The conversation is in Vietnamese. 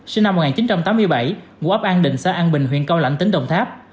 sinh năm một nghìn chín trăm tám mươi bảy ngụ ấp an định xã an bình huyện cao lãnh tỉnh đồng tháp